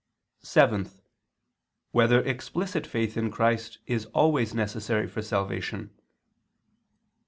(7) Whether explicit faith in Christ is always necessary for salvation?